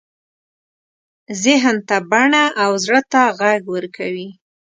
ذهن ته بڼه او زړه ته غږ ورکوي.